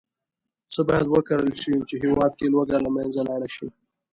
څه باید وکرل شي، چې هېواد کې لوږه له منځه لاړه شي.